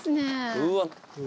うわっ。